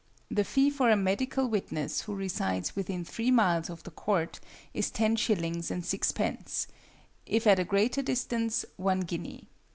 The fee for a medical witness who resides within three miles of the court is ten shillings and sixpence; if at a greater distance, one guinea.